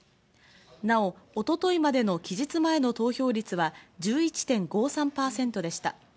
なお一昨日までの期日前の投票率は１１．５３％でした。